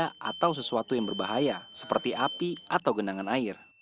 atau sesuatu yang berbahaya seperti api atau genangan air